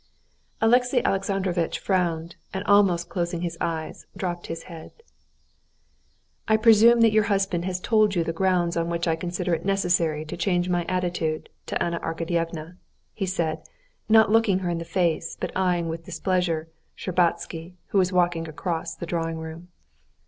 Alexey Alexandrovitch frowned, and almost closing his eyes, dropped his head. "I presume that your husband has told you the grounds on which I consider it necessary to change my attitude to Anna Arkadyevna?" he said, not looking her in the face, but eyeing with displeasure Shtcherbatsky, who was walking across the drawing room.